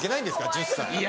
１０歳。